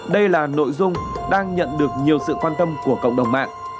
đây là nội dung đang nhận được nhiều sự quan tâm của cộng đồng mạng